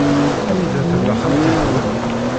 Anida tella xalti-twen?